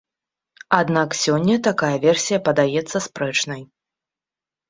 Аднак сёння такая версія падаецца спрэчнай.